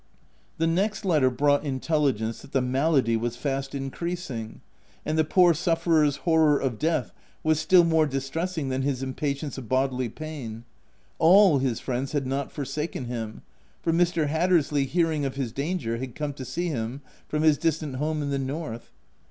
'' 5{^ 5jC tP 5|C ?|* The next letter brought intelligence that the malady was fast increasing ; and the poor suf ferer's horror of death was still more distressing than his impatience of bodily pain. All his friends had not forsaken him, for Mr. Hatters ley, hearing of his danger, had come to see him from his distant home in the north.